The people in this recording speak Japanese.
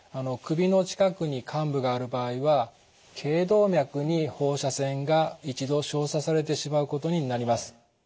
首の近くに患部がある場合は頸動脈に放射線が一度照射されてしまうことになります。